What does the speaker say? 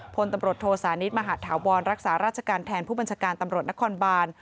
พลตำรวจโทสานิทมหาธาวรรักษาราชการแทนผู้บัญชาการตำรวจนครบาน